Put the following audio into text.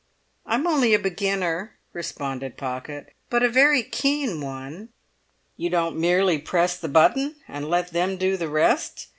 "I am only a beginner," responded Pocket, "but a very keen one." "You don't merely press the button and let them do the rest?"